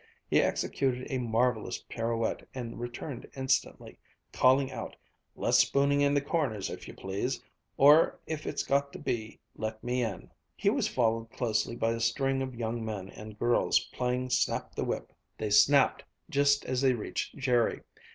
He executed a marvelous pirouette and returned instantly, calling out, "Less spooning in the corners if you please or if it's got to be, let me in!" He was followed closely by a string of young men and girls, playing snap the whip. They "snapped" just as they reached Jerry.